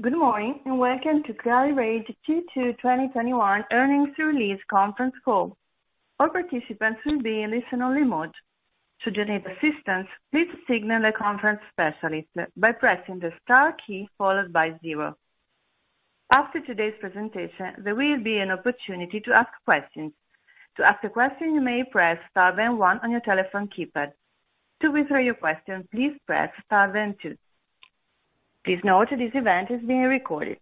Good morning, and welcome to Clarivate Q2 2021 earnings release conference call. All participants will be in listen only mode. For operator assistance, please signal the conference specialist by pressing the star key followed by zero. After today's presentation, there will be an opportunity to ask questions. To ask a question, you may press star then one on your telephone keypad. To withdraw your question, please press star then two. Please note this event is being recorded.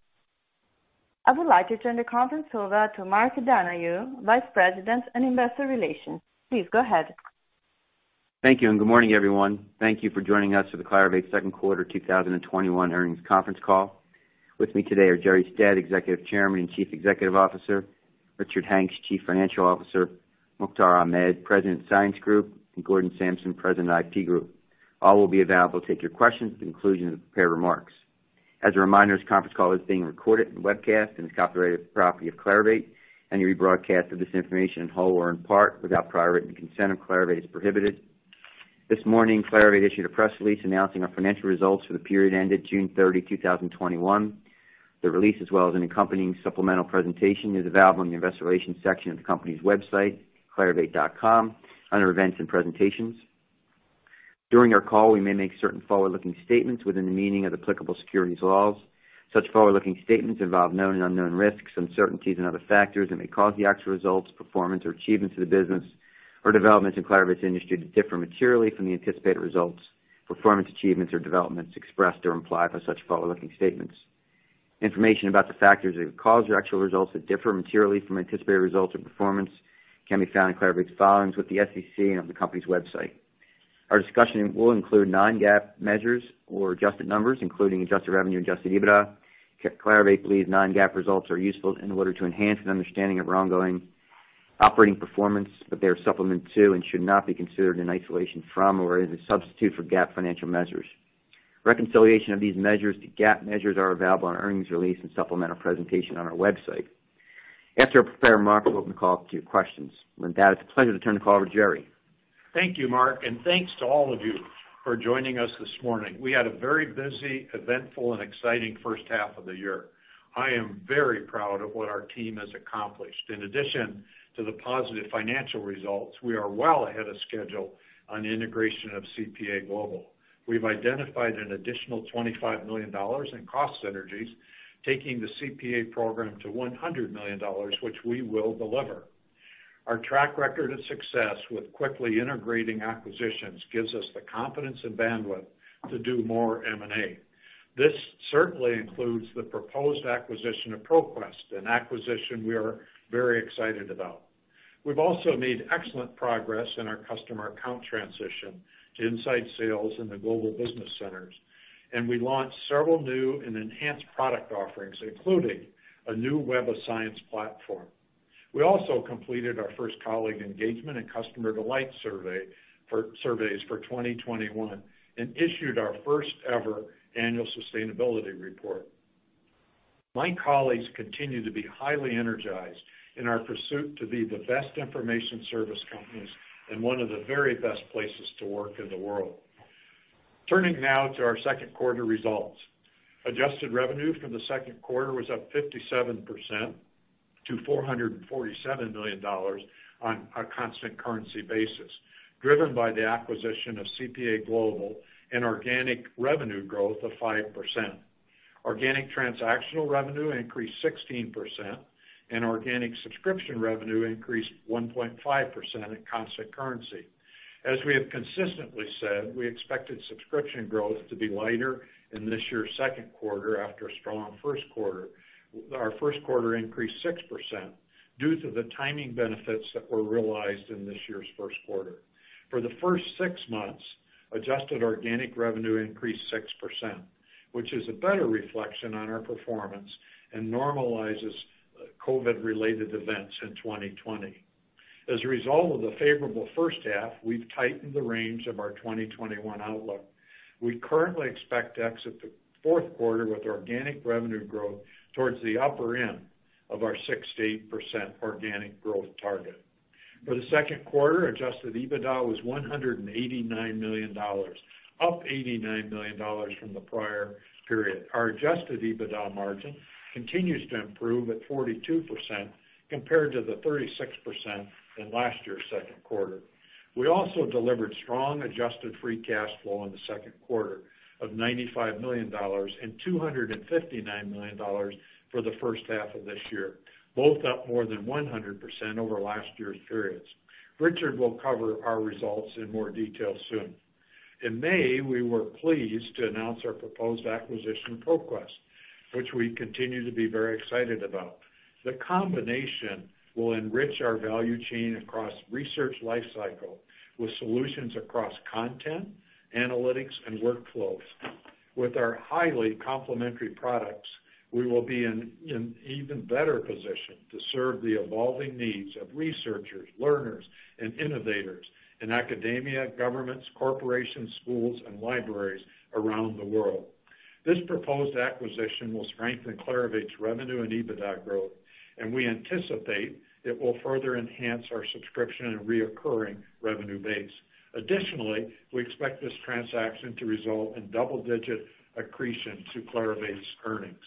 I would like to turn the conference over to Mark Donohue, Vice President in Investor Relations. Please go ahead. Thank you, good morning, everyone. Thank you for joining us for the Clarivate Q2 2021 earnings conference call. With me today are Jerre Stead, Executive Chairman and Chief Executive Officer, Richard Hanks, Chief Financial Officer, Mukhtar Ahmed, President of Science Group, and Gordon Samson, President of IP Group. All will be available to take your questions at the conclusion of the prepared remarks. As a reminder, this conference call is being recorded and webcast and is copyrighted property of Clarivate. Any rebroadcast of this information in whole or in part without prior written consent of Clarivate is prohibited. This morning, Clarivate issued a press release announcing our financial results for the period ended June 30, 2021. The release, as well as an accompanying supplemental presentation, is available on the Investor Relations section of the company's website, clarivate.com, under Events and Presentations. During our call, we may make certain forward-looking statements within the meaning of applicable securities laws. Such forward-looking statements involve known and unknown risks, uncertainties, and other factors that may cause the actual results, performance, or achievements of the business or developments in Clarivate's industry to differ materially from the anticipated results, performance, achievements, or developments expressed or implied by such forward-looking statements. Information about the factors that could cause our actual results to differ materially from anticipated results or performance can be found in Clarivate's filings with the SEC and on the company's website. Our discussion will include non-GAAP measures or adjusted numbers, including adjusted revenue and adjusted EBITDA. Clarivate believes non-GAAP results are useful in order to enhance an understanding of our ongoing operating performance, but they are supplement to and should not be considered in isolation from or as a substitute for GAAP financial measures. Reconciliation of these measures to GAAP measures are available on earnings release and supplemental presentation on our website. After our prepared remarks, we'll open the call up to your questions. With that, it's a pleasure to turn the call over to Jerre. Thank you, Mark, and thanks to all of you for joining us this morning. We had a very busy, eventful, and exciting H1 of the year. I am very proud of what our team has accomplished. In addition to the positive financial results, we are well ahead of schedule on the integration of CPA Global. We've identified an additional $25 million in cost synergies, taking the CPA program to $100 million, which we will deliver. Our track record of success with quickly integrating acquisitions gives us the confidence and bandwidth to do more M&A. This certainly includes the proposed acquisition of ProQuest, an acquisition we are very excited about. We've also made excellent progress in our customer account transition to inside sales in the global business centers, and we launched several new and enhanced product offerings, including a new Web of Science platform. We also completed our first colleague engagement and customer delight surveys for 2021 and issued our first ever annual sustainability report. My colleagues continue to be highly energized in our pursuit to be the best information service companies and one of the very best places to work in the world. Turning now to our Q2 results. Adjusted revenue for the Q2 was up 57% to $447 million on a constant currency basis, driven by the acquisition of CPA Global and organic revenue growth of 5%. Organic transactional revenue increased 16%, and organic subscription revenue increased 1.5% at constant currency. As we have consistently said, we expected subscription growth to be lighter in this year's Q2 after a strong Q1. Our Q1 increased 6% due to the timing benefits that were realized in this year's Q1. For the first six months, adjusted organic revenue increased 6%, which is a better reflection on our performance and normalizes COVID-related events in 2020. As a result of the favorable H1, we've tightened the range of our 2021 outlook. We currently expect to exit the Q4 with organic revenue growth towards the upper end of our 6%-8% organic growth target. For the Q2, adjusted EBITDA was $189 million, up $89 million from the prior period. Our adjusted EBITDA margin continues to improve at 42% compared to the 36% in last year's Q2. We also delivered strong adjusted free cash flow in the Q2 of $95 million and $259 million for the H1 of this year, both up more than 100% over last year's periods. Richard will cover our results in more detail soon. In May, we were pleased to announce our proposed acquisition of ProQuest, which we continue to be very excited about. The combination will enrich our value chain across research life cycle with solutions across content, analytics, and workflows. With our highly complementary products, we will be in an even better position to serve the evolving needs of researchers, learners, and innovators in academia, governments, corporations, schools, and libraries around the world. This proposed acquisition will strengthen Clarivate's revenue and EBITDA growth, and we anticipate it will further enhance our subscription and reoccurring revenue base. Additionally, we expect this transaction to result in double-digit accretion to Clarivate's earnings.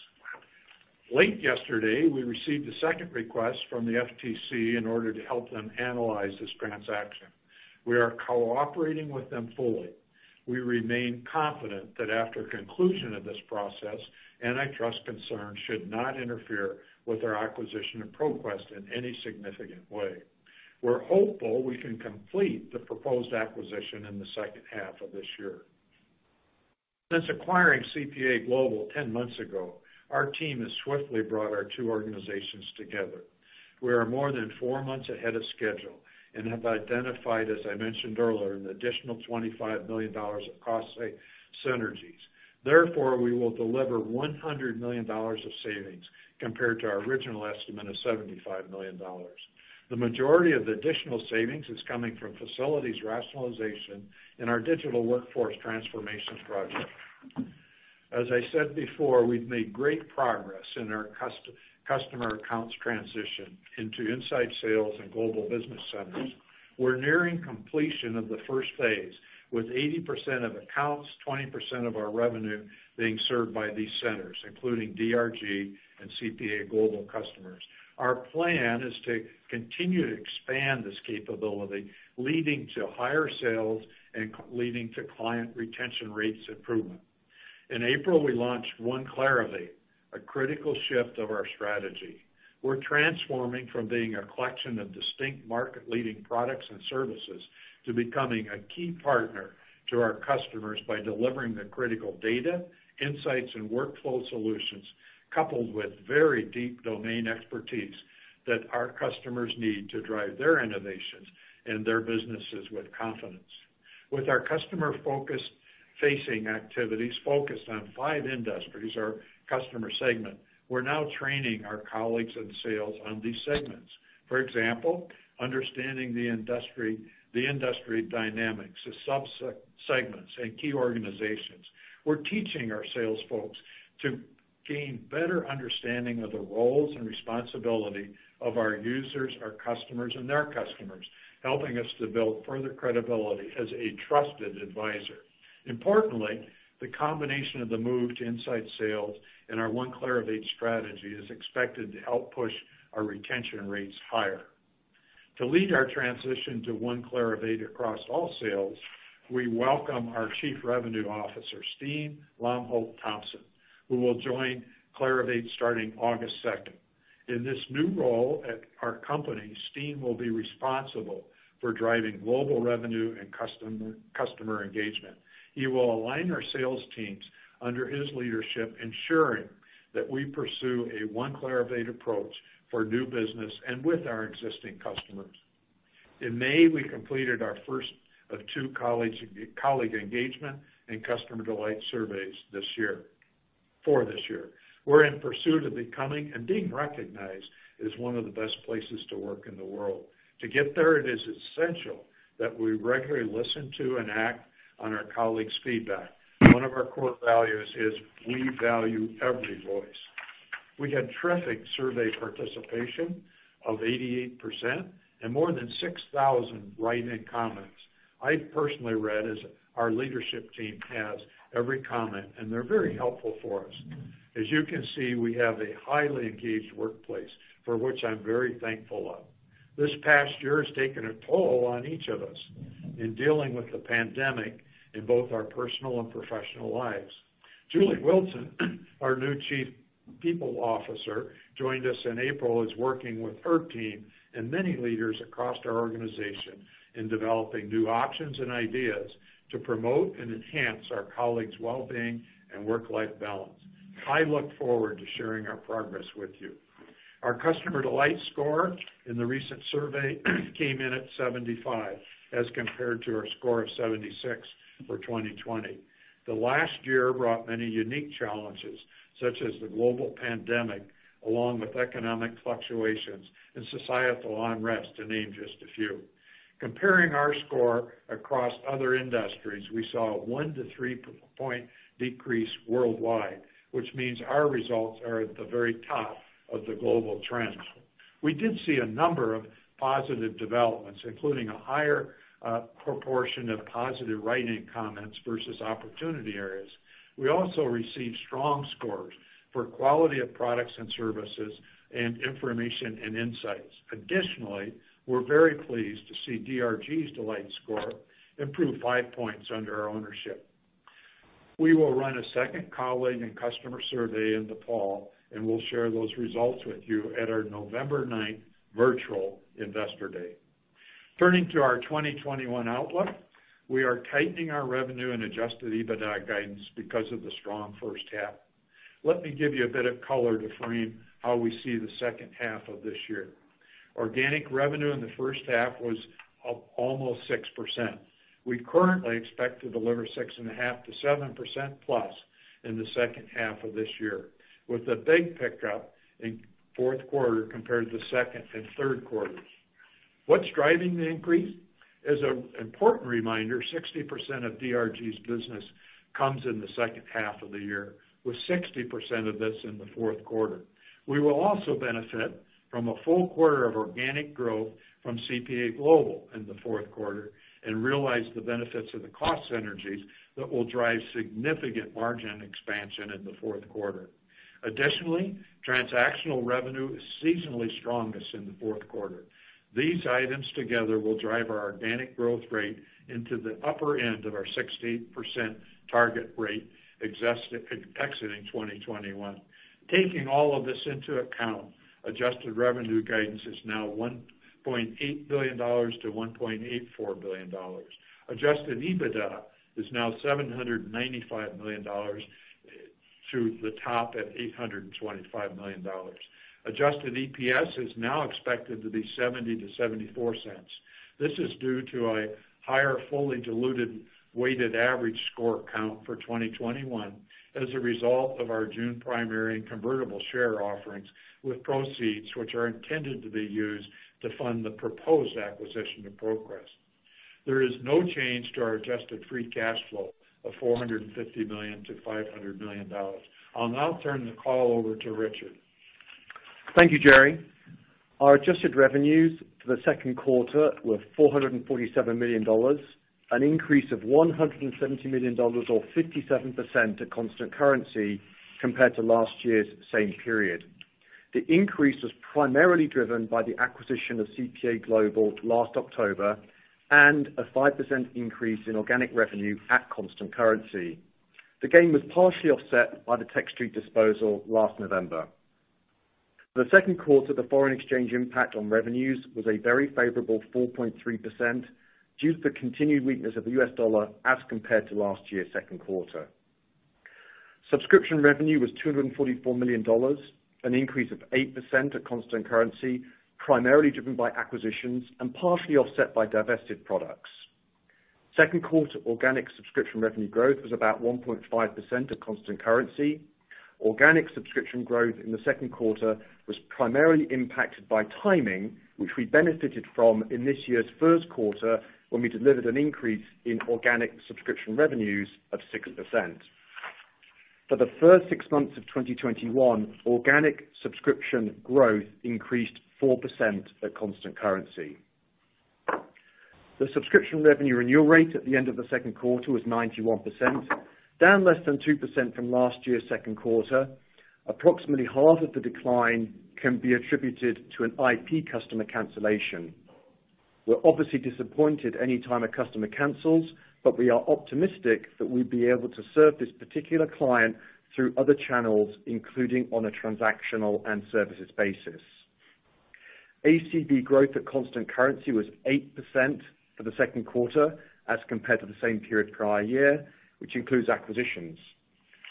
Late yesterday, we received a second request from the FTC in order to help them analyze this transaction. We are cooperating with them fully. We remain confident that after conclusion of this process, antitrust concerns should not interfere with our acquisition of ProQuest in any significant way. We're hopeful we can complete the proposed acquisition in the H2 of this year. Since acquiring CPA Global 10 months ago, our team has swiftly brought our two organizations together. We are more than four months ahead of schedule and have identified, as I mentioned earlier, an additional $25 million of cost synergies. Therefore, we will deliver $100 million of savings compared to our original estimate of $75 million. The majority of the additional savings is coming from facilities rationalization and our digital workforce transformations project. As I said before, we've made great progress in our customer accounts transition into inside sales and global business centers. We're nearing completion of the first phase, with 80% of accounts, 20% of our revenue being served by these centers, including DRG and CPA Global customers. Our plan is to continue to expand this capability, leading to higher sales and leading to client retention rates improvement. In April, we launched One Clarivate, a critical shift of our strategy. We're transforming from being a collection of distinct market-leading products and services to becoming a key partner to our customers by delivering the critical data, insights, and workflow solutions, coupled with very deep domain expertise that our customers need to drive their innovations and their businesses with confidence. With our customer-facing activities focused on five industries, our customer segment, we're now training our colleagues in sales on these segments. For example, understanding the industry dynamics, the sub-segments, and key organizations. We're teaching our sales folks to gain better understanding of the roles and responsibility of our users, our customers, and their customers, helping us to build further credibility as a trusted advisor. Importantly, the combination of the move to inside sales and our One Clarivate strategy is expected to help push our retention rates higher. To lead our transition to One Clarivate across all sales, we welcome our Chief Revenue Officer, Steen Lomholt-Thomsen, who will join Clarivate starting August 2nd. In this new role at our company, Steen will be responsible for driving global revenue and customer engagement. He will align our sales teams under his leadership, ensuring that we pursue a One Clarivate approach for new business and with our existing customers. In May, we completed our first of two colleague engagement and customer delight surveys for this year. We're in pursuit of becoming and being recognized as one of the best places to work in the world. To get there, it is essential that we regularly listen to and act on our colleagues' feedback. One of our core values is we value every voice. We had terrific survey participation of 88% and more than 6,000 write-in comments. I personally read, as our leadership team has, every comment, and they're very helpful for us. As you can see, we have a highly engaged workplace, for which I'm very thankful of. This past year has taken a toll on each of us in dealing with the pandemic in both our personal and professional lives. Julie Wilson, our new Chief People Officer, joined us in April, is working with her team and many leaders across our organization in developing new options and ideas to promote and enhance our colleagues' wellbeing and work-life balance. I look forward to sharing our progress with you. Our customer delight score in the recent survey came in at 75 as compared to our score of 76 for 2020. The last year brought many unique challenges, such as the global pandemic, along with economic fluctuations and societal unrest, to name just a few. Comparing our score across other industries, we saw a one- to three-point decrease worldwide, which means our results are at the very top of the global trends. We did see a number of positive developments, including a higher proportion of positive write-in comments versus opportunity areas. We also received strong scores for quality of products and services and information and insights. Additionally, we're very pleased to see DRG's delight score improve five points under our ownership. We will run a second colleague and customer survey in the fall, and we'll share those results with you at our November 9th virtual Investor Day. Turning to our 2021 outlook, we are tightening our revenue and adjusted EBITDA guidance because of the strong H1. Let me give you a bit of color to frame how we see the H2 of this year. Organic revenue in the H1 was almost 6%. We currently expect to deliver 6.5%-7%+ in the H2 of this year, with a big pickup in Q4 compared to Q2 and Q3. What's driving the increase? As an important reminder, 60% of DRG's business comes in the H2 of the year, with 60% of this in the Q4. We will also benefit from a full quarter of organic growth from CPA Global in the Q4 and realize the benefits of the cost synergies that will drive significant margin expansion in the Q4. Additionally, transactional revenue is seasonally strongest in the Q4. These items together will drive our organic growth rate into the upper end of our 6%-8% target rate exiting 2021. Taking all of this into account, adjusted revenue guidance is now $1.8 billion-$1.84 billion. Adjusted EBITDA is now $795 million to the top at $825 million. Adjusted EPS is now expected to be $0.70-$0.74. This is due to a higher fully diluted weighted average share count for 2021 as a result of our June primary and convertible share offerings with proceeds which are intended to be used to fund the proposed acquisition of ProQuest. There is no change to our adjusted free cash flow of $450 million-$500 million. I'll now turn the call over to Richard. Thank you, Jerre. Our adjusted revenues for the Q2 were $447 million, an increase of $170 million or 57% at constant currency compared to last year's same period. The increase was primarily driven by the acquisition of CPA Global last October and a 5% increase in organic revenue at constant currency. The gain was partially offset by the Techstreet disposal last November. For the Q2, the foreign exchange impact on revenues was a very favorable 4.3% due to the continued weakness of the U.S. dollar as compared to last year's Q2. Subscription revenue was $244 million, an increase of 8% at constant currency, primarily driven by acquisitions and partially offset by divested products. Q2 organic subscription revenue growth was about 1.5% of constant currency. Organic subscription growth in the Q2 was primarily impacted by timing, which we benefited from in this year's Q1 when we delivered an increase in organic subscription revenues of 6%. For the first six months of 2021, organic subscription growth increased 4% at constant currency. The subscription revenue renewal rate at the end of the Q2 was 91%, down less than 2% from last year's Q2. Approximately half of the decline can be attributed to an IP customer cancellation. We're obviously disappointed any time a customer cancels, but we are optimistic that we'll be able to serve this particular client through other channels, including on a transactional and services basis. ACV growth at constant currency was 8% for the Q2 as compared to the same period prior year, which includes acquisitions.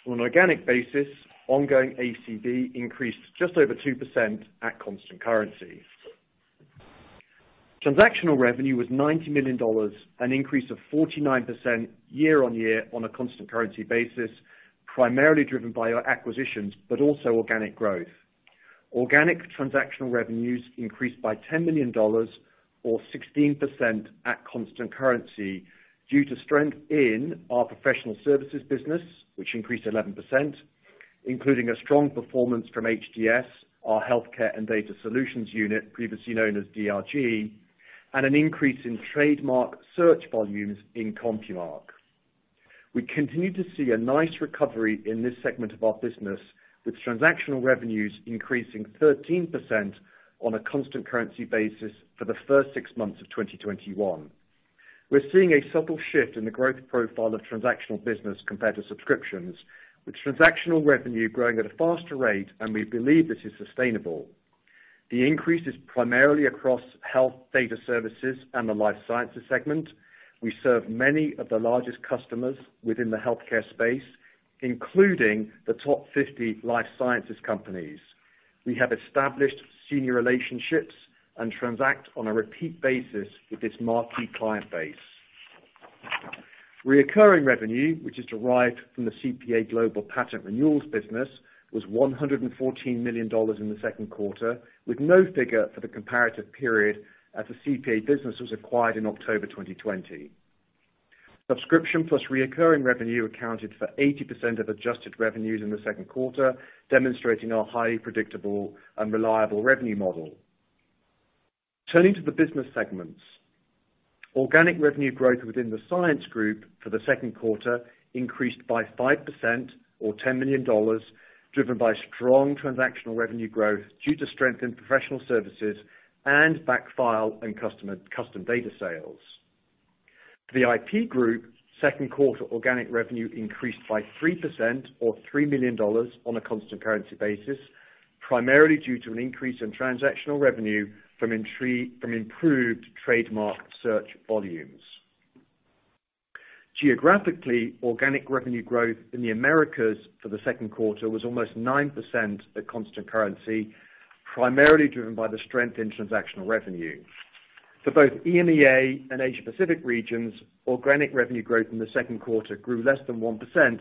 On an organic basis, ongoing ACV increased just over 2% at constant currency. Transactional revenue was $90 million, an increase of 49% year-on-year on a constant currency basis, primarily driven by our acquisitions, but also organic growth. Organic transactional revenues increased by $10 million or 16% at constant currency due to strength in our professional services business, which increased 11%, including a strong performance from HDS, our healthcare and data solutions unit, previously known as DRG, and an increase in trademark search volumes in CompuMark. We continue to see a nice recovery in this segment of our business, with transactional revenues increasing 13% on a constant currency basis for the first 6 months of 2021. We're seeing a subtle shift in the growth profile of transactional business compared to subscriptions, with transactional revenue growing at a faster rate, and we believe this is sustainable. The increase is primarily across health data services and the life sciences segment. We serve many of the largest customers within the healthcare space, including the top 50 life sciences companies. We have established senior relationships and transact on a repeat basis with this marquee client base. Reoccurring revenue, which is derived from the CPA Global patent renewals business, was $114 million in the Q2, with no figure for the comparative period as the CPA business was acquired in October 2020. Subscription plus reoccurring revenue accounted for 80% of adjusted revenues in the Q2, demonstrating our highly predictable and reliable revenue model. Turning to the business segments. Organic revenue growth within the Science Group for the Q2 increased by 5% or $10 million, driven by strong transactional revenue growth due to strength in professional services and backfile and custom data sales. The IP Group's Q2 organic revenue increased by 3% or $3 million on a constant currency basis, primarily due to an increase in transactional revenue from improved trademark search volumes. Geographically, organic revenue growth in the Americas for the Q2 was almost 9% at constant currency, primarily driven by the strength in transactional revenue. For both EMEA and Asia Pacific regions, organic revenue growth in the Q2 grew less than 1%,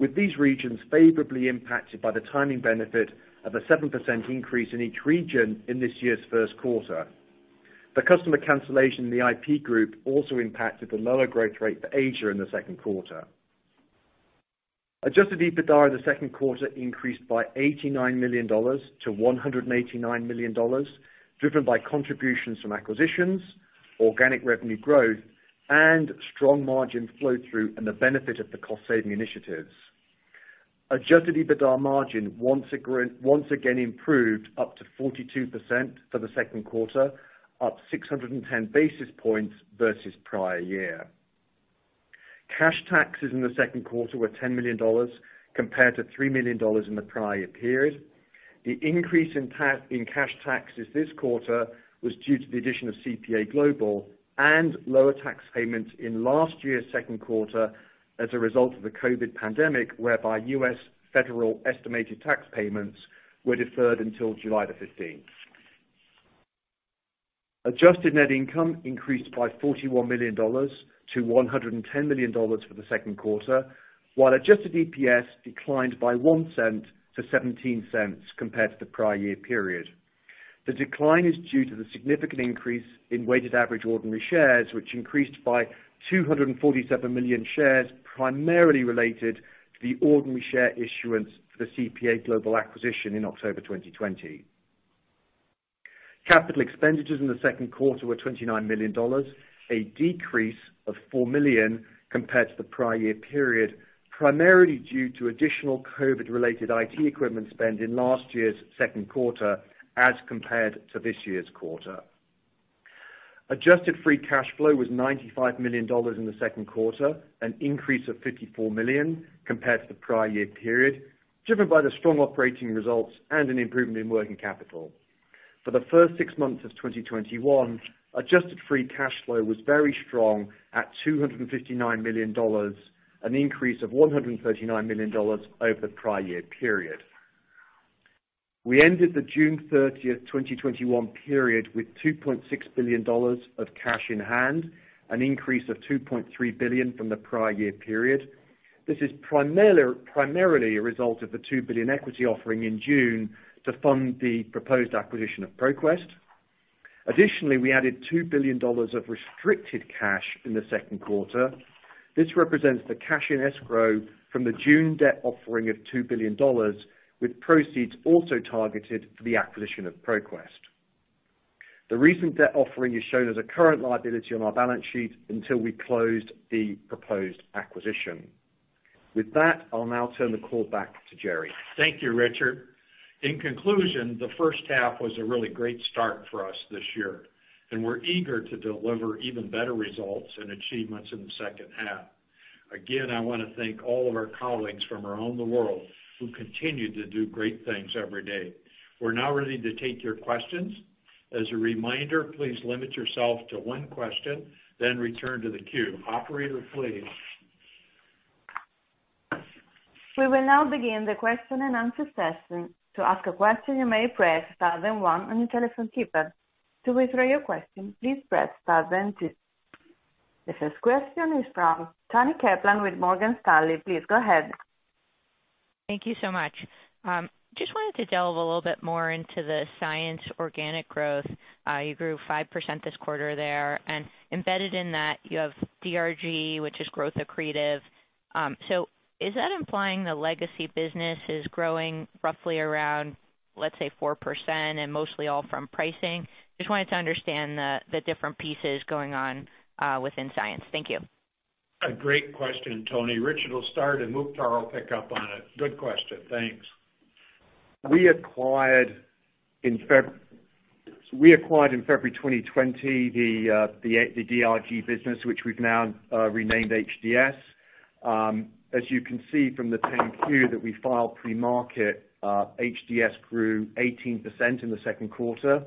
with these regions favorably impacted by the timing benefit of a 7% increase in each region in this year's Q1. The customer cancellation in the IP Group also impacted the lower growth rate for Asia in the Q2. Adjusted EBITDA in the Q2 increased by $89 million-$189 million, driven by contributions from acquisitions, organic revenue growth, and strong margin flow-through and the benefit of the cost-saving initiatives. Adjusted EBITDA margin once again improved up to 42% for the Q2, up 610 basis points versus prior year. Cash taxes in the Q2 were $10 million, compared to $3 million in the prior period. The increase in cash taxes this quarter was due to the addition of CPA Global and lower tax payments in last year's Q2 as a result of the COVID pandemic, whereby U.S. federal estimated tax payments were deferred until July the 15th. Adjusted net income increased by $41 million-$110 million for the Q2, while adjusted EPS declined by $0.01-$0.17 compared to the prior year period. The decline is due to the significant increase in weighted average ordinary shares, which increased by 247 million shares, primarily related to the ordinary share issuance for the CPA Global acquisition in October 2020. Capital expenditures in the Q2 were $29 million, a decrease of $4 million compared to the prior year period, primarily due to additional COVID-related IT equipment spend in last year's Q2 as compared to this year's quarter. Adjusted free cash flow was $95 million in the Q2, an increase of $54 million compared to the prior year period, driven by the strong operating results and an improvement in working capital. For the first six months of 2021, adjusted free cash flow was very strong at $259 million, an increase of $139 million over the prior year period. We ended the June 30th, 2021 period with $2.6 billion of cash in hand, an increase of $2.3 billion from the prior year period. This is primarily a result of the $2 billion equity offering in June to fund the proposed acquisition of ProQuest. Additionally, we added $2 billion of restricted cash in the Q2. This represents the cash in escrow from the June debt offering of $2 billion, with proceeds also targeted for the acquisition of ProQuest. The recent debt offering is shown as a current liability on our balance sheet until we close the proposed acquisition. With that, I'll now turn the call back to Jerre. Thank you, Richard. In conclusion, the H1 was a really great start for us this year, and we're eager to deliver even better results and achievements in the H2. Again, I want to thank all of our colleagues from around the world who continue to do great things every day. We're now ready to take your questions. As a reminder, please limit yourself to one question, then return to the queue. Operator, please. We will now begin the question and answer session. To ask a question, you may press star then one on your telephone keypad. To withdraw your question, please press star then two. The first question is from Toni Kaplan with Morgan Stanley. Please go ahead. Thank you so much. Just wanted to delve a little bit more into the Science organic growth. You grew 5% this quarter there, and embedded in that, you have DRG, which is growth accretive. Is that implying the legacy business is growing roughly around, let's say, 4% and mostly all from pricing? Just wanted to understand the different pieces going on within Science. Thank you. A great question, Toni. Richard will start, and Mukhtar will pick up on it. Good question. Thanks. We acquired in February 2020 the DRG business, which we've now renamed HDS. As you can see from the 10-Q that we filed pre-market, HDS grew 18% in the Q2.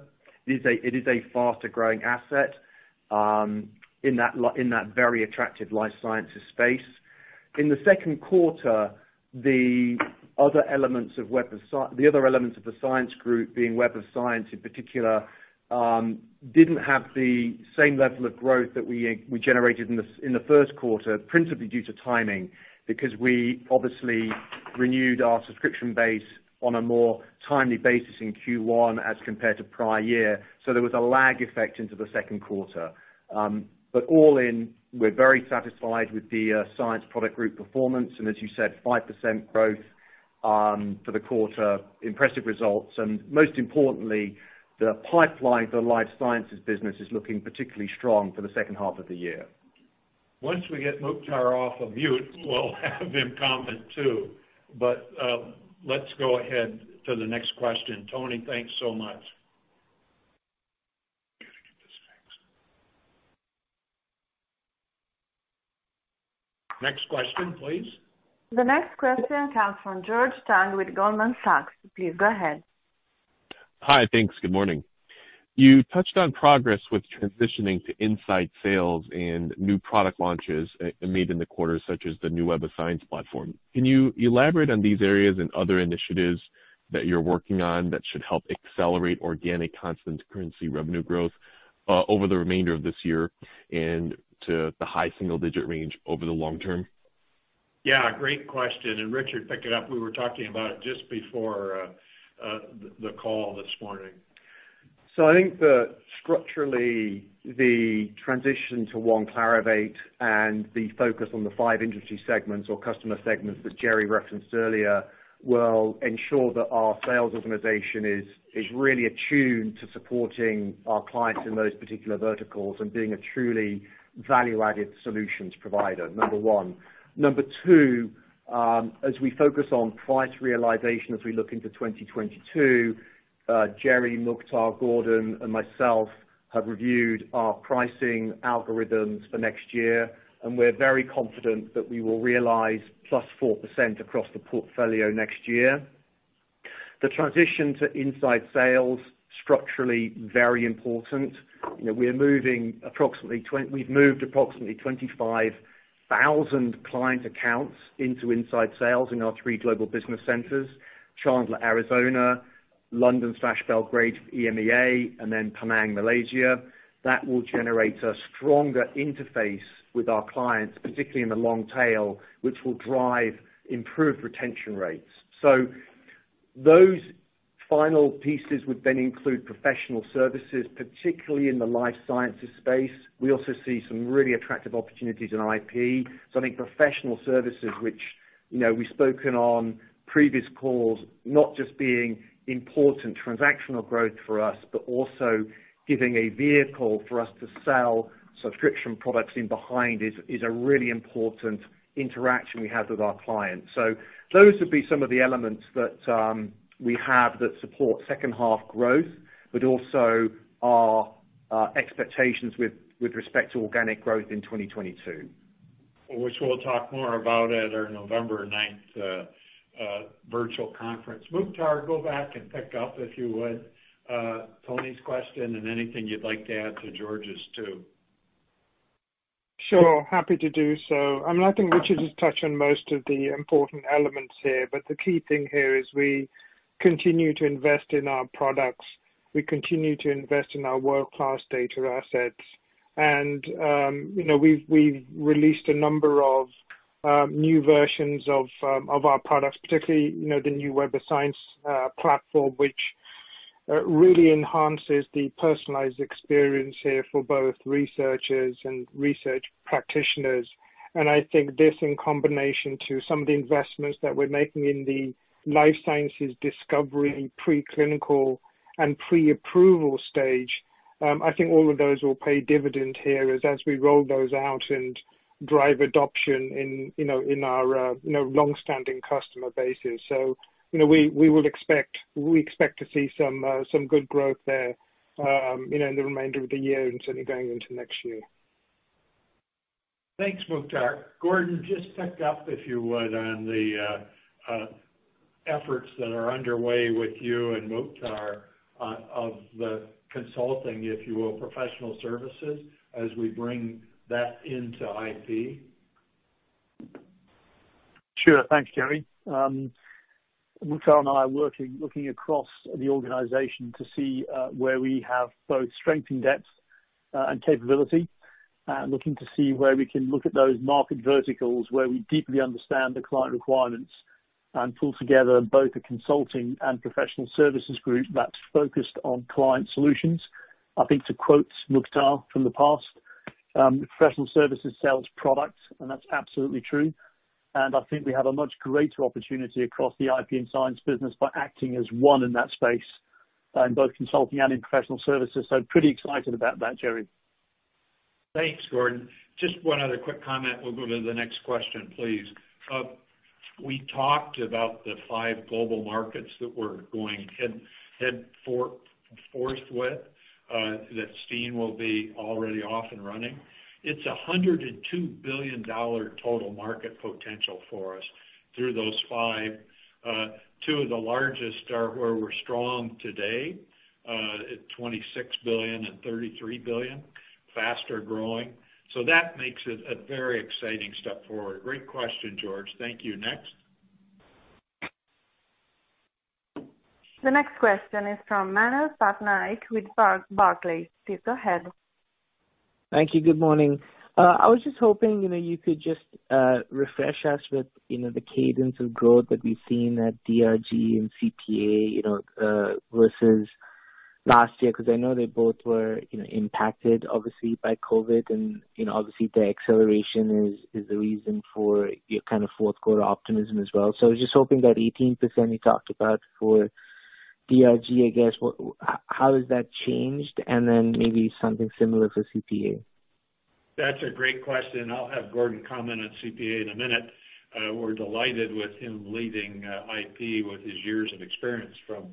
It is a faster-growing asset in that very attractive life sciences space. In the Q2, the other elements of the Science Group, being Web of Science in particular, didn't have the same level of growth that we generated in the Q1, principally due to timing, because we obviously renewed our subscription base on a more timely basis in Q1 as compared to prior year. There was a lag effect into the Q2. All in, we're very satisfied with the Science Group performance and, as you said, 5% growth for the quarter, impressive results, and most importantly, the pipeline for the life sciences business is looking particularly strong for the H2 of the year. Once we get Mukhtar off of mute, we'll have him comment, too. Let's go ahead to the next question. Toni, thanks so much. Gotta get this fixed. Next question, please. The next question comes from George Tong with Goldman Sachs. Please go ahead. Hi. Thanks. Good morning. You touched on progress with transitioning to inside sales and new product launches made in the quarter, such as the new Web of Science platform. Can you elaborate on these areas and other initiatives that you're working on that should help accelerate organic constant currency revenue growth over the remainder of this year and to the high single-digit range over the long term? Yeah. Great question. Richard, pick it up. We were talking about it just before the call this morning. I think that structurally, the transition to One Clarivate and the focus on the five industry segments or customer segments that Jerre referenced earlier will ensure that our sales organization is really attuned to supporting our clients in those particular verticals and being a truly value-added solutions provider, number one. Number two, as we focus on price realization as we look into 2022, Jerre, Mukhtar, Gordon, and myself have reviewed our pricing algorithms for next year, and we're very confident that we will realize +4% across the portfolio next year. The transition to inside sales, structurally very important. We've moved approximately 25,000 client accounts into inside sales in our three global business centers, Chandler, Arizona, London/Belgrade for EMEA, and then Penang, Malaysia. That will generate a stronger interface with our clients, particularly in the long tail, which will drive improved retention rates. Those final pieces would then include professional services, particularly in the life sciences space. We also see some really attractive opportunities in IP. I think professional services, which we've spoken on previous calls, not just being important transactional growth for us, but also giving a vehicle for us to sell subscription products in behind is a really important interaction we have with our clients. Those would be some of the elements that we have that support H2 growth, but also our expectations with respect to organic growth in 2022. Which we'll talk more about at our November 9th virtual conference. Mukhtar, go back and pick up, if you would, Toni's question and anything you'd like to add to George's, too. Sure. Happy to do so. I think Richard has touched on most of the important elements here, but the key thing here is we continue to invest in our products. We continue to invest in our world-class data assets. We've released a number of new versions of our products, particularly the new Web of Science platform, which really enhances the personalized experience here for both researchers and research practitioners. I think this, in combination to some of the investments that we're making in the life sciences discovery, preclinical and pre-approval stage, I think all of those will pay dividends here as we roll those out and drive adoption in our longstanding customer bases. We expect to see some good growth there in the remainder of the year and certainly going into next year. Thanks, Mukhtar. Gordon, just pick up, if you would, on the efforts that are underway with you and Mukhtar of the consulting, if you will, professional services, as we bring that into IP. Sure. Thanks, Jerre. Mukhtar and I are working, looking across the organization to see where we have both strength in depth and capability, and looking to see where we can look at those market verticals where we deeply understand the client requirements and pull together both a consulting and professional services group that's focused on client solutions. I think to quote Mukhtar from the past, "Professional services sells product," and that's absolutely true, and I think we have a much greater opportunity across the IP and Science Group by acting as one in that space in both consulting and in professional services. Pretty excited about that, Jerre. Thanks, Gordon. Just one other quick comment, we'll go to the next question, please. We talked about the five global markets that we're going head forth with, that Steen will be already off and running. It's $102 billion total market potential for us through those five. Two of the largest are where we're strong today, at $26 billion and $33 billion, faster growing. That makes it a very exciting step forward. Great question, George. Thank you. Next. The next question is from Manav Patnaik with Barclays. Please go ahead. Thank you. Good morning. I was just hoping you could just refresh us with the cadence of growth that we've seen at DRG and CPA versus last year, because I know they both were impacted, obviously, by COVID and obviously the acceleration is the reason for your kind of Q4 optimism as well. I was just hoping that 18% you talked about for DRG, I guess, how has that changed? And then maybe something similar for CPA. That's a great question. I'll have Gordon comment on CPA in a minute. We're delighted with him leading IP with his years of experience from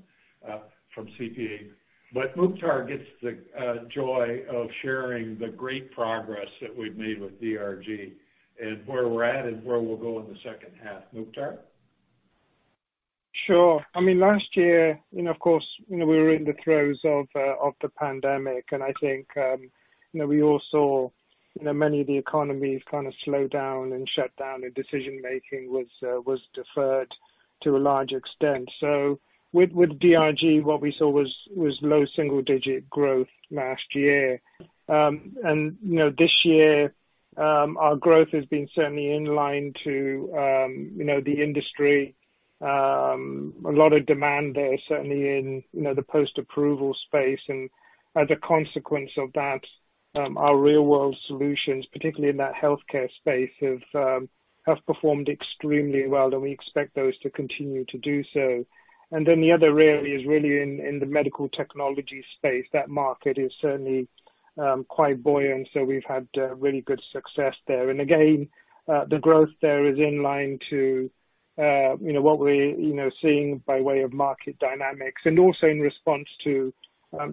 CPA. Mukhtar gets the joy of sharing the great progress that we've made with DRG and where we're at and where we'll go in the H2. Mukhtar? Sure. Last year, of course, we were in the throes of the pandemic, and I think we all saw many of the economies kind of slow down and shut down, and decision-making was deferred to a large extent. With DRG, what we saw was low single-digit growth last year. This year, our growth has been certainly in line to the industry. A lot of demand there, certainly in the post-approval space. As a consequence of that, our real-world solutions, particularly in that healthcare space, have performed extremely well, and we expect those to continue to do so. The other area is really in the medical technology space. That market is certainly quite buoyant. We've had really good success there. Again, the growth there is in line to what we're seeing by way of market dynamics and also in response to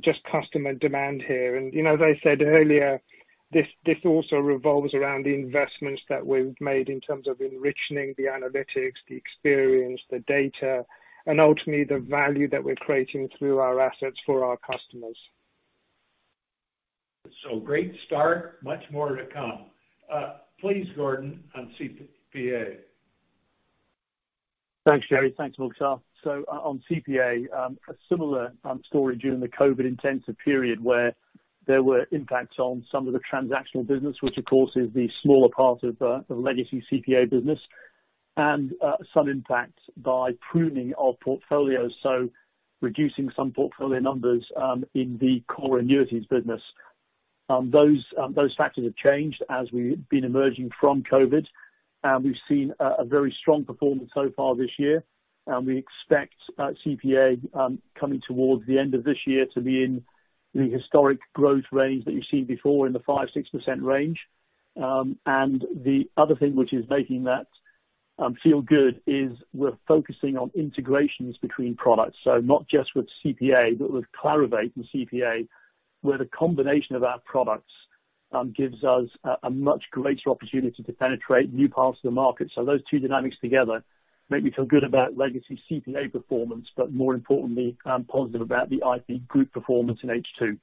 just customer demand here. As I said earlier, this also revolves around the investments that we've made in terms of enriching the analytics, the experience, the data, and ultimately the value that we're creating through our assets for our customers. Great start. Much more to come. Please, Gordon, on CPA. Thanks, Jerre. Thanks, Mukhtar. On CPA, a similar story during the COVID-intensive period, where there were impacts on some of the transactional business, which of course is the smaller part of the legacy CPA business, and some impact by pruning our portfolios, so reducing some portfolio numbers in the core annuities business. Those factors have changed as we've been emerging from COVID. We've seen a very strong performance so far this year, and we expect CPA coming towards the end of this year to be in the historic growth range that you've seen before, in the 5%-6% range. The other thing which is making that feel good is we're focusing on integrations between products. Not just with CPA, but with Clarivate and CPA, where the combination of our products gives us a much greater opportunity to penetrate new parts of the market. Those two dynamics together make me feel good about legacy CPA performance, but more importantly, I'm positive about the IP unit Group performance in H2.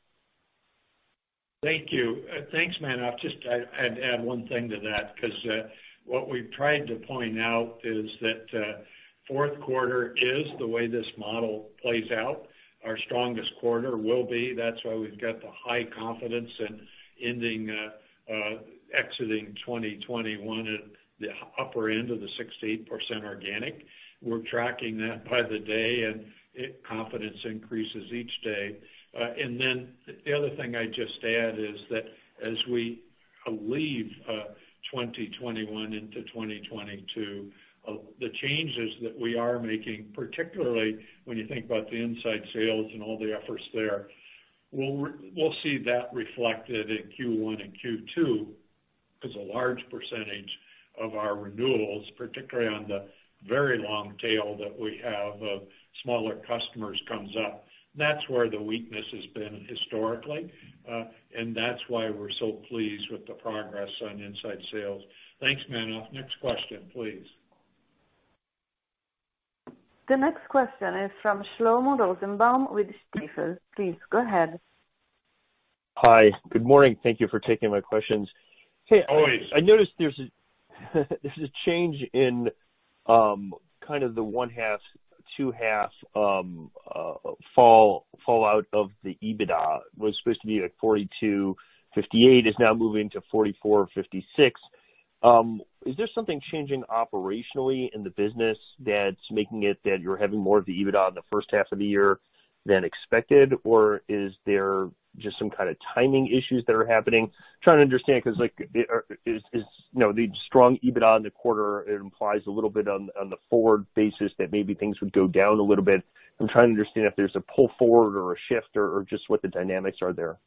Thank you. Thanks, Manav. Just I'd add one thing to that, because what we've tried to point out is that Q4 is the way this model plays out. Our strongest quarter will be. That's why we've got the high confidence in exiting 2021 at the upper end of the 6%-8% organic. We're tracking that by the day, and confidence increases each day. The other thing I'd just add is that as we leave 2021 into 2022, the changes that we are making, particularly when you think about the inside sales and all the efforts there, we'll see that reflected in Q1 and Q2, because a large percentage of our renewals, particularly on the very long tail that we have of smaller customers, comes up. That's where the weakness has been historically, and that's why we're so pleased with the progress on inside sales. Thanks, Manav. Next question, please. The next question is from Shlomo Rosenbaum with Stifel. Please go ahead. Hi, good morning. Thank you for taking my questions. Always. I noticed there's a change in kind of the H1/H2 fallout of the EBITDA. Was supposed to be like 42/58, is now moving to 44/56. Is there something changing operationally in the business that's making it that you're having more of the EBITDA in the H1 of the year than expected? Or is there just some kind of timing issues that are happening? Trying to understand because the strong EBITDA in the quarter implies a little bit on the forward basis that maybe things would go down a little bit. I'm trying to understand if there's a pull forward or a shift or just what the dynamics are there.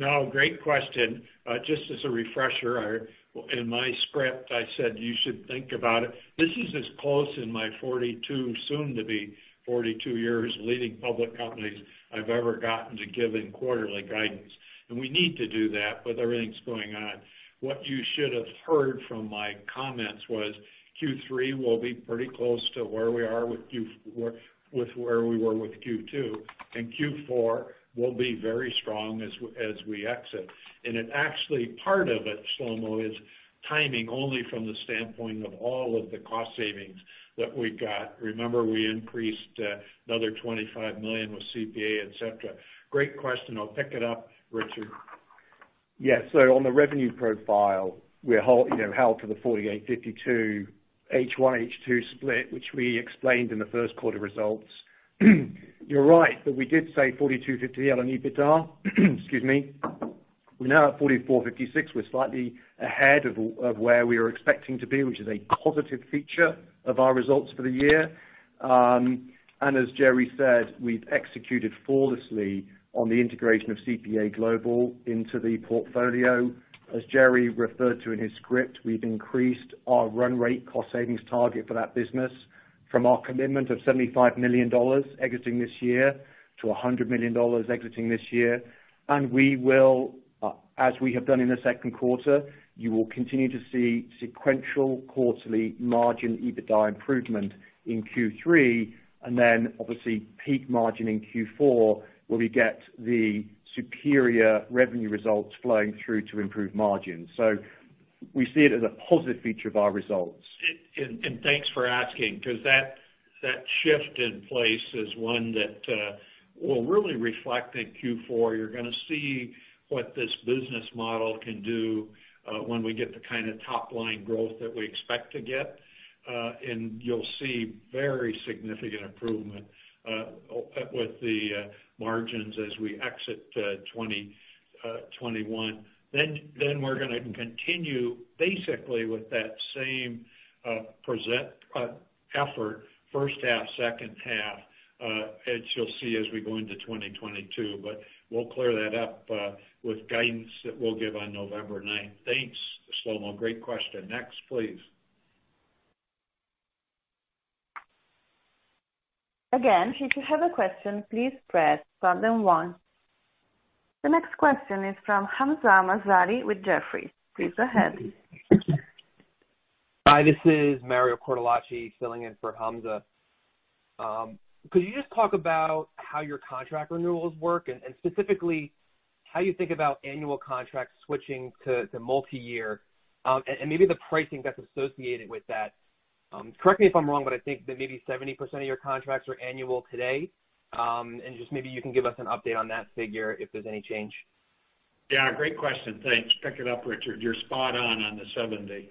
No, great question. Just as a refresher, in my script, I said you should think about it. This is as close in my 42, soon to be 42 years leading public companies I've ever gotten to giving quarterly guidance. We need to do that with everything that's going on. What you should have heard from my comments was Q3 will be pretty close to where we were with Q2, and Q4 will be very strong as we exit. Actually part of it, Shlomo, is timing only from the standpoint of all of the cost savings that we got. Remember, we increased another $25 million with CPA, et cetera. Great question. I'll pick it up, Richard. Yeah. On the revenue profile, we held to the 48/52 H1/H2 split, which we explained in the Q1 results. You're right that we did say 42/58 on EBITDA. Excuse me. We're now at 44/56. We're slightly ahead of where we were expecting to be, which is a positive feature of our results for the year. As Jerre said, we've executed flawlessly on the integration of CPA Global into the portfolio. As Jerre referred to in his script, we've increased our run rate cost savings target for that business from our commitment of $75 million exiting this year to $100 million exiting this year. We will, as we have done in the Q2, you will continue to see sequential quarterly margin EBITDA improvement in Q3, and then obviously peak margin in Q4, where we get the superior revenue results flowing through to improve margins. We see it as a positive feature of our results. Thanks for asking, because that shift in place is one that will really reflect in Q4. You're going to see what this business model can do when we get the kind of top-line growth that we expect to get. You'll see very significant improvement with the margins as we exit 2021. We're going to continue basically with that same present effort, H1/H2 as you'll see as we go into 2022. We'll clear that up with guidance that we'll give on November 9th. Thanks, Shlomo. Great question. Next, please. Again, if you have a question, please press star then one. The next question is from Hamzah Mazari with Jefferies. Please go ahead. Hi, this is Mario Cortellacci filling in for Hamzah Mazari. Could you just talk about how your contract renewals work and specifically how you think about annual contracts switching to multi-year, and maybe the pricing that's associated with that? Correct me if I'm wrong, but I think that maybe 70% of your contracts are annual today. Just maybe you can give us an update on that figure if there's any change. Yeah, great question. Thanks. Pick it up, Richard. You're spot on the 70.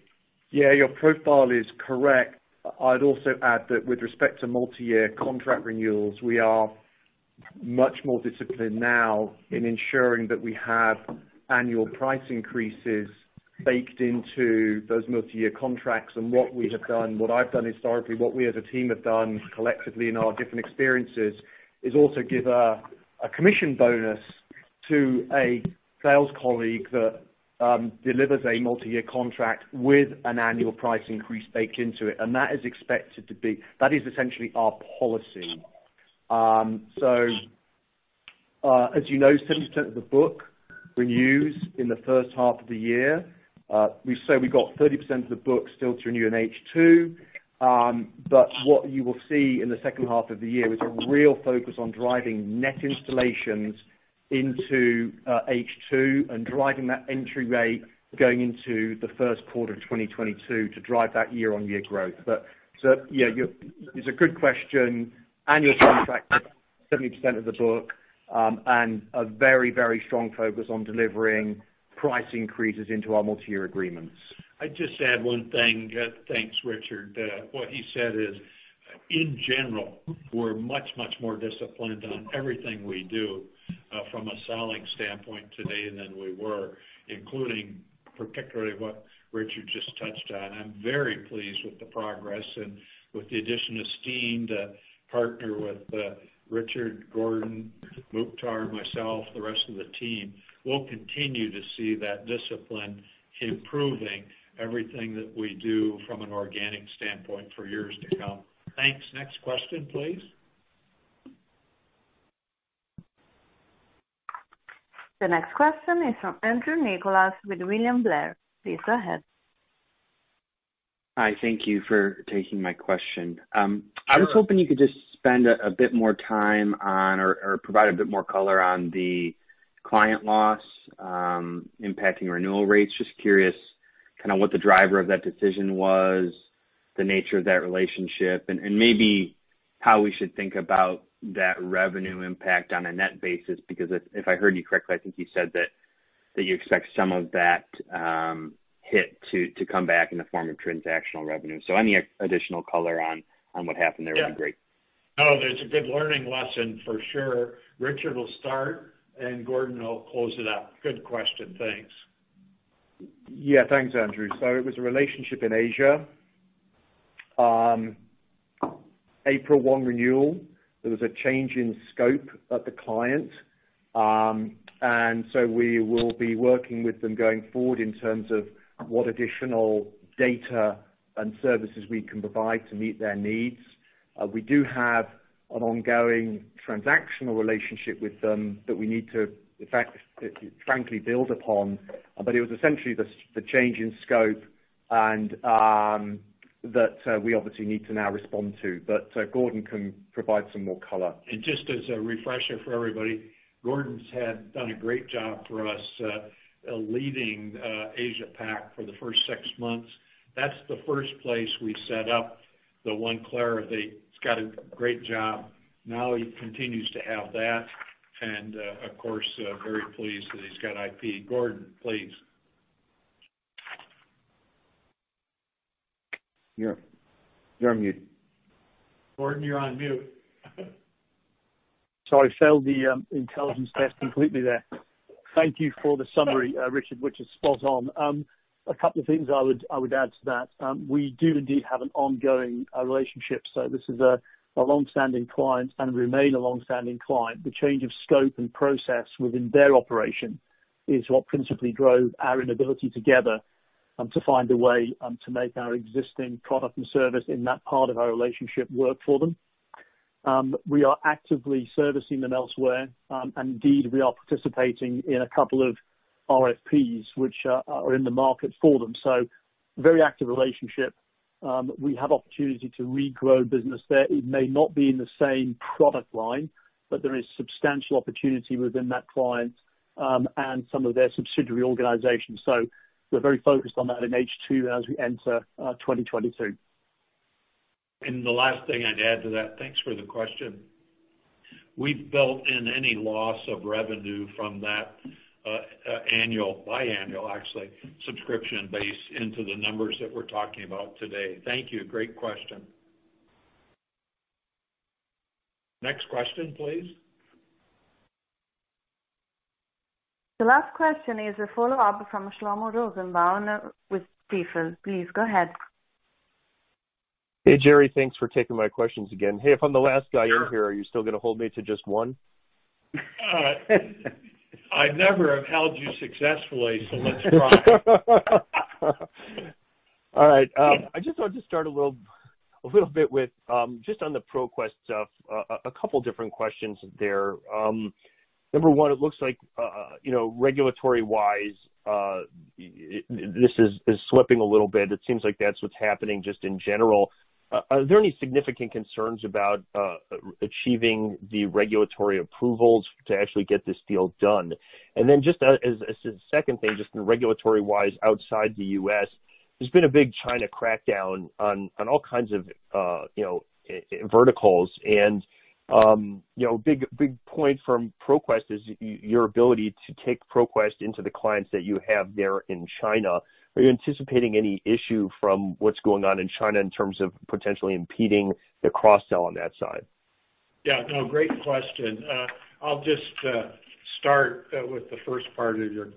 Yeah, your profile is correct. I'd also add that with respect to multi-year contract renewals, we are much more disciplined now in ensuring that we have annual price increases baked into those multi-year contracts. What we have done, what I've done historically, what we as a team have done collectively in our different experiences, is also give a commission bonus to a sales colleague that delivers a multi-year contract with an annual price increase baked into it. That is essentially our policy. As you know, 70% of the book renews in the H1 of the year. We say we got 30% of the book still to renew in H2. What you will see in the H2 of the year is a real focus on driving net installations into H2 and driving that entry rate going into the Q1 of 2022 to drive that year-on-year growth. Yeah, it's a good question. Annual contracts, 70% of the book, and a very strong focus on delivering price increases into our multi-year agreements. I'd just add one thing. Thanks, Richard. What he said is, in general, we're much, much more disciplined on everything we do from a selling standpoint today than we were, including particularly what Richard just touched on. I'm very pleased with the progress and with the addition of Steen to partner with Richard, Gordon, Mukhtar, myself, the rest of the team. We'll continue to see that discipline improving everything that we do from an organic standpoint for years to come. Thanks. Next question, please. The next question is from Andrew Nicholas with William Blair. Please go ahead. Hi, thank you for taking my question. Sure. I was hoping you could just spend a bit more time on or provide a bit more color on the client loss impacting renewal rates. Just curious what the driver of that decision was, the nature of that relationship, and maybe how we should think about that revenue impact on a net basis? Because if I heard you correctly, I think you said that you expect some of that hit to come back in the form of transactional revenue. Any additional color on what happened there would be great. Yeah. No, there's a good learning lesson for sure. Richard will start, and Gordon will close it up. Good question. Thanks. Yeah. Thanks, Andrew. It was a relationship in Asia. April 1 renewal, there was a change in scope of the client. We will be working with them going forward in terms of what additional data and services we can provide to meet their needs. We do have an ongoing transactional relationship with them that we need to frankly build upon. It was essentially the change in scope and that we obviously need to now respond to. Gordon can provide some more color. Just as a refresher for everybody, Gordon's done a great job for us leading Asia Pac for the first six months. That's the first place we set up the One Clarivate. He's got a great job. Now he continues to have that. Of course, very pleased that he's got IP. Gordon, please. You're on mute. Gordon, you're on mute. Sorry, failed the intelligence test completely there. Thank you for the summary, Richard, which is spot on. A couple of things I would add to that. We do indeed have an ongoing relationship. This is a longstanding client and remain a longstanding client. The change of scope and process within their operation is what principally drove our inability together to find a way to make our existing product and service in that part of our relationship work for them. We are actively servicing them elsewhere. We are participating in a couple of RFPs, which are in the market for them. Very active relationship. We have opportunity to regrow business there. It may not be in the same product line. There is substantial opportunity within that client and some of their subsidiary organizations. We're very focused on that in H2 as we enter 2022. The last thing I'd add to that, thanks for the question. We've built in any loss of revenue from that annual, biannual actually, subscription base into the numbers that we're talking about today. Thank you. Great question. Next question, please. The last question is a follow-up from Shlomo Rosenbaum with Stifel. Please go ahead. Hey, Jerre. Thanks for taking my questions again. Hey, if I'm the last guy on here. Sure Are you still going to hold me to just one? I never have held you successfully, so let's try. All right. Yeah. I just wanted to start a little bit with, just on the ProQuest stuff, a couple different questions there. Number one, it looks like regulatory-wise, this is slipping a little bit. It seems like that's what's happening just in general. Are there any significant concerns about achieving the regulatory approvals to actually get this deal done? Then just as a second thing, just regulatory-wise outside the U.S., there's been a big China crackdown on all kinds of verticals and big point from ProQuest is your ability to take ProQuest into the clients that you have there in China. Are you anticipating any issue from what's going on in China in terms of potentially impeding the cross-sell on that side? Yeah. No, great question. I'll just start with the first part of your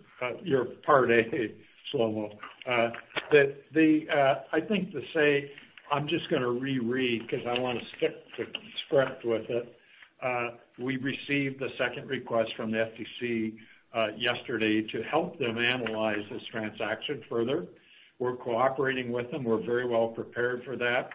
part A, Shlomo. I think to say I'm just going to reread because I want to stick to script with it. We received the second request from the FTC yesterday to help them analyze this transaction further. We're cooperating with them. We're very well prepared for that.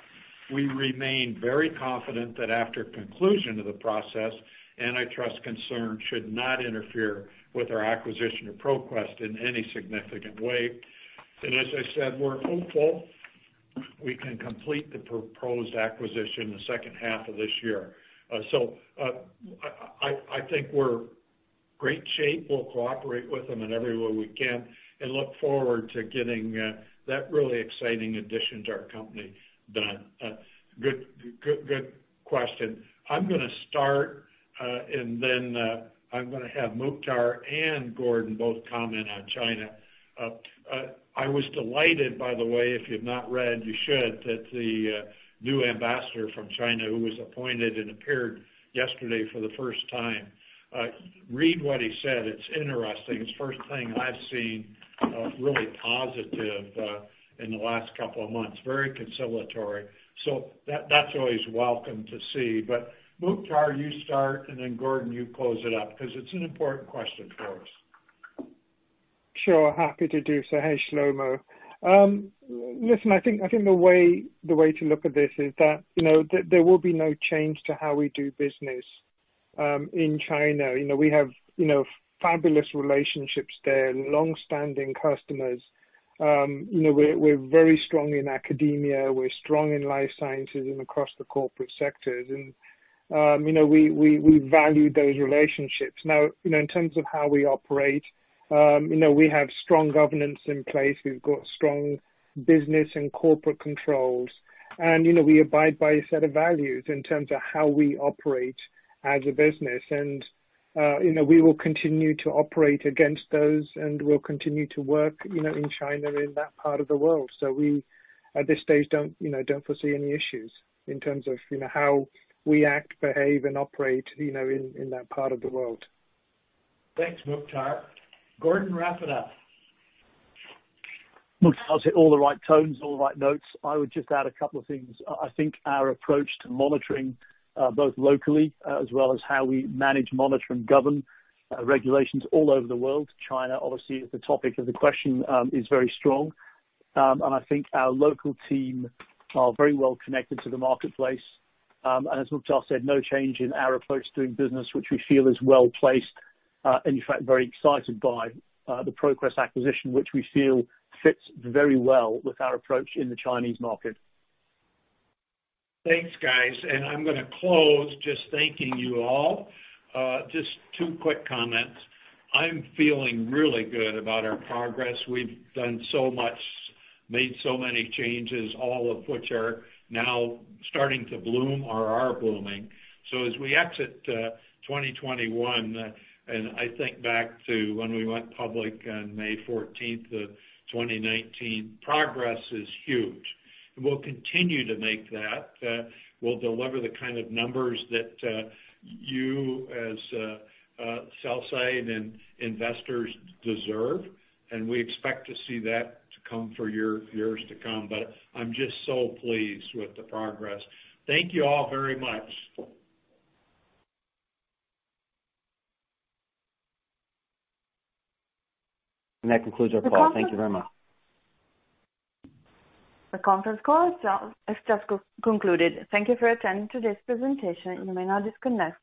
We remain very confident that after conclusion of the process, antitrust concern should not interfere with our acquisition of ProQuest in any significant way. As I said, we're hopeful we can complete the proposed acquisition the Q2 of this year. I think we're great shape. We'll cooperate with them in every way we can and look forward to getting that really exciting addition to our company done. Good question. I'm going to start, and then, I'm going to have Mukhtar and Gordon both comment on China. I was delighted, by the way, if you've not read, you should, that the new ambassador from China who was appointed and appeared yesterday for the first time. Read what he said. It's interesting. It's the first thing I've seen really positive in the last couple of months. Very conciliatory. That's always welcome to see. Mukhtar, you start, and then Gordon, you close it up because it's an important question for us. Sure. Happy to do so. Hey, Shlomo. Listen, I think the way to look at this is that there will be no change to how we do business in China. We have fabulous relationships there and long-standing customers. We're very strong in academia. We're strong in life sciences and across the corporate sectors. We value those relationships. Now, in terms of how we operate, we have strong governance in place. We've got strong business and corporate controls, and we abide by a set of values in terms of how we operate as a business. We will continue to operate against those, and we'll continue to work in China and in that part of the world. We, at this stage, don't foresee any issues in terms of how we act, behave, and operate in that part of the world. Thanks, Mukhtar. Gordon, wrap it up. Mukhtar hit all the right tones, all the right notes. I would just add a couple of things. I think our approach to monitoring, both locally as well as how we manage, monitor, and govern regulations all over the world, China obviously is the topic of the question, is very strong. I think our local team are very well connected to the marketplace. As Mukhtar said, no change in our approach to doing business, which we feel is well-placed. In fact, very excited by the ProQuest acquisition, which we feel fits very well with our approach in the Chinese market. Thanks, guys. I'm going to close, just thanking you all. Just two quick comments. I'm feeling really good about our progress. We've done so much, made so many changes, all of which are now starting to bloom or are blooming. As we exit 2021, and I think back to when we went public on May 14th of 2019, progress is huge. We'll continue to make that. We'll deliver the kind of numbers that you as sell side and investors deserve, and we expect to see that to come for years to come. I'm just so pleased with the progress. Thank you all very much. That concludes our call. Thank you very much. The conference call has just concluded. Thank you for attending today's presentation. You may now disconnect.